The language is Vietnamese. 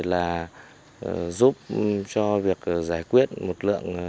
là giúp cho việc giải quyết một lượng